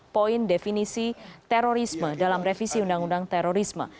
poin definisi terorisme dalam revisi undang undang terorisme